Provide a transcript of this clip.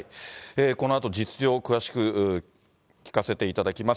このあと実情を詳しく聞かせていただきます。